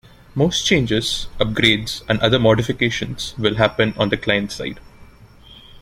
Most changes, upgrades, and other modifications will happen on the client side.